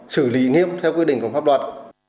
sau đó xử lý nghiêm theo quy định của pháp luật